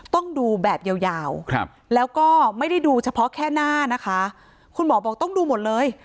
ต้องดูแบบยาวแล้วก็ไม่ได้ดูเฉพาะแค่หน้านะคะคุณหมอบอกต้องดูหมดเลย